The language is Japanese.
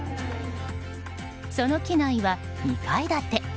その機内は２階建て。